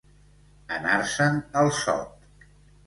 Anar-se'n al sot.